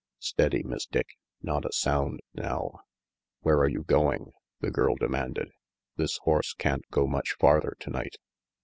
Steady, Miss Dick, not a sound now." "Where are you going?" the girl demanded. "This horse can't go much farther tonight."